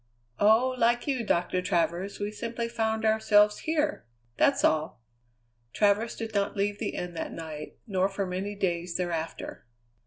"Oh, like you, Doctor Travers, we simply found ourselves here! That's all." Travers did not leave the inn that night, nor for many days thereafter.